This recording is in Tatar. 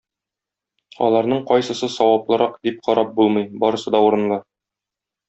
Аларның кайсысы саваплырак дип карап булмый, барысы да урынлы.